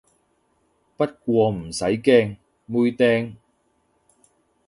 不過唔使驚，妹釘